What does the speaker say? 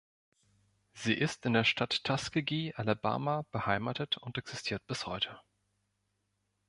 Sie ist in der Stadt Tuskegee, Alabama beheimatet und existiert bis heute.